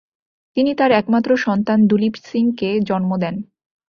তিনি তার একমাত্র সন্তান দুলীপ সিংকে জন্ম দেন।